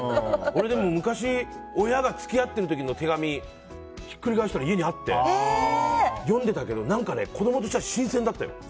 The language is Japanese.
俺、昔、親が付き合っている時の手紙ひっくり返したら家にあって読んでたけど何かね、子供としては新鮮だったよ。